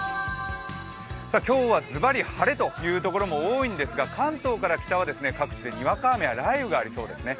今日はズバリ晴れというところも多いんですが関東から北は各地でにわか雨や雷雨がありそうですね。